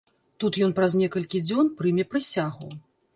Тут ён праз некалькі дзён прыме прысягу.